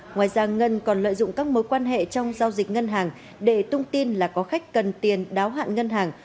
ngoài ra ngân còn lợi dụng các mối quan hệ trong giao dịch ngân hàng để tung tin là có khách cần tiền đáo hạn ngân hàng